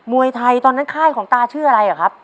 วยไทยตอนนั้นค่ายของตาชื่ออะไรเหรอครับ